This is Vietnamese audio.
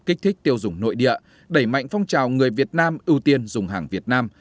kích thích tiêu dùng nội địa đẩy mạnh phong trào người việt nam ưu tiên dùng hàng việt nam